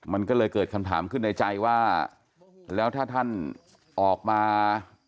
มันก็เลยเกิดคำถามขึ้นในใจว่าแล้วถ้าท่านออกมา